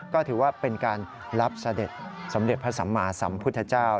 ก็ถือว่าเป็นการรับเสด็จสมเด็จพระสัมมาสัมพุทธเจ้า